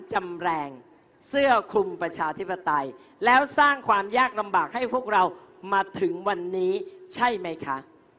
จำแรงเสื้อคลุมประชาธิปไตยแล้วสร้างความยากลำบากให้พวกเรามาถึงวันนี้ใช่ไหมคะ